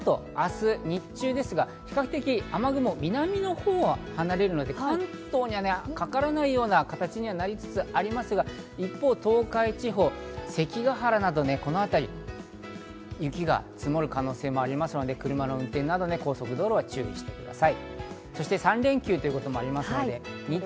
そのあと日中ですが、雨雲は比較的、南のほうは離れるので、関東にはかからないような形にはなりつつありますが、一方、東海地方の関ヶ原など、このあたりは雪が積もる可能性もありますので、車の運転など高速道路などは注意してください。